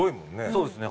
そうですね